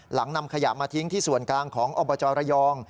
นำขยะมาทิ้งที่ส่วนกลางของอบจระยอง